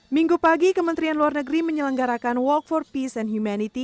minggu pagi kementerian luar negeri menyelenggarakan walk for peace and humanity